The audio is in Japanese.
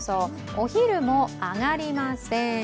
お昼も上がりません。